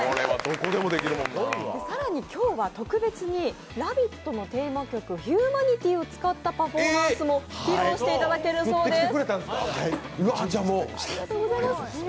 更に今日は特別に「ラヴィット！」のテーマ曲、「ヒューマニティ！」を使ったパフォーマンスも披露してくれるそうです。